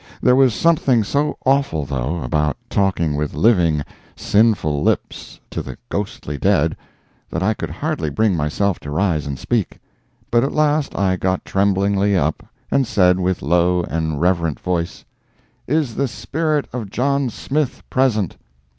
There was something so awful, though, about talking with living, sinful lips to the ghostly dead, that I could hardly bring myself to rise and speak. But at last I got tremblingly up and said with low and reverent voice: "Is the spirit of John Smith present?"